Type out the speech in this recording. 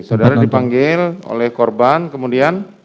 saudara dipanggil oleh korban kemudian